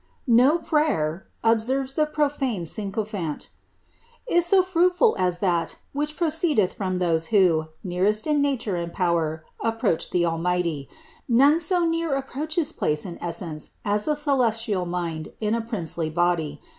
No prayer," obserrp* the profane sycophant, " is so fruitful as that which proceedeth frou! those who, nearest in nature and power, approach iheAlmiehlv. ?foW so near approach his place and essence as a celestial mind in a princelT body.